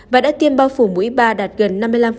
và đã tiêm bao phủ mũi ba đạt gần năm mươi năm